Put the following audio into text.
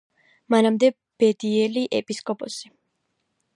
მანამდე ბედიელი ეპისკოპოსი.